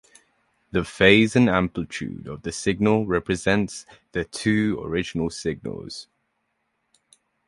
The phase and amplitude of the signal represent the two original signals.